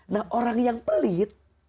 nah orang yang pelit